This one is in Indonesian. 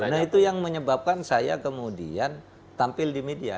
nah itu yang menyebabkan saya kemudian tampil di media